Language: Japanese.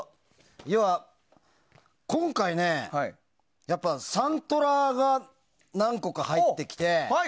要は今回ね、サントラが何個か入ってきて。